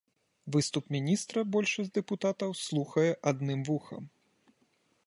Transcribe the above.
Выступ міністра большасць дэпутатаў слухае адным вухам.